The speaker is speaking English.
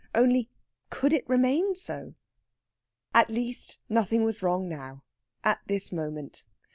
Only, could it remain so? At least, nothing was wrong now, at this moment.